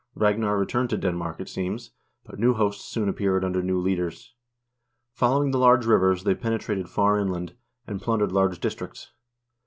Ragnar returned to Denmark, it seems, but new hosts soon appeared under new leaders. Following the large rivers, they penetrated far inland, and plundered large districts.